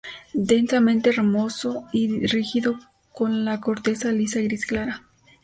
Densamente ramoso y rígido con la corteza lisa gris clara.